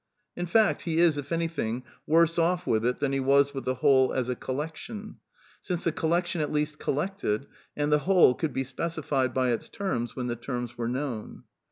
In fact, he is, if anything, worse off with it than he was with the whole as a " collection "; since the collection at least collected, and the whole could be specified by its terms when the terms were known.